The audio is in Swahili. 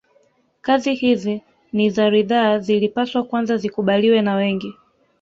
Kazi hizi ni za ridhaa zilipaswa kwanza zikubaliwe na wengi